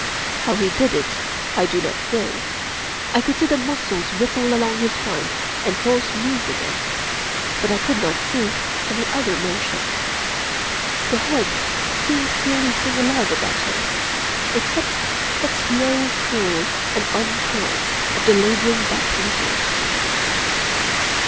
How he did it I do not know. I could see the muscles ripple along his spine and fall smooth again; but I could not see any other motion. The head seemed the only thing alive about him, except that slow curl and uncurl of the laboring back muscles.